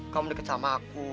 kamu deket sama aku